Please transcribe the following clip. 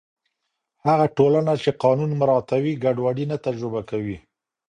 هغه ټولنه چې قانون مراعتوي، ګډوډي نه تجربه کوي.